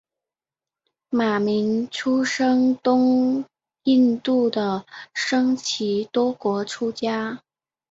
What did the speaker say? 马鸣生于东印度的桑岐多国出家。